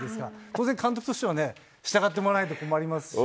当然監督としてはね、従ってもらわないと困りますし。